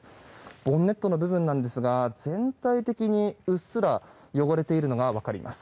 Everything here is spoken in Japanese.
ボンネットの部分なんですが全体的にうっすら汚れているのが分かります。